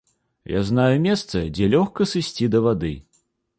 Я знаю месца, дзе лёгка сысці да вады.